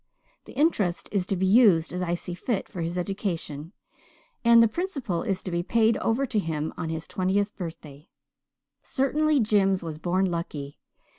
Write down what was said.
The interest is to be used as I see fit for his education, and the principal is to be paid over to him on his twentieth birthday. Certainly Jims was born lucky.